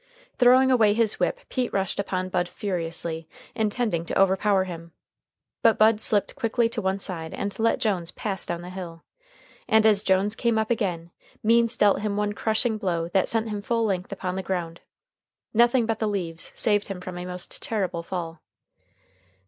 Throwing away his whip Pete rushed upon Bud furiously, intending to overpower him, but Bud slipped quickly to one side and let Jones pass down the hill, and as Jones came up again Means dealt him one crushing blow that sent him full length upon the ground. Nothing but the leaves saved him from a most terrible fall.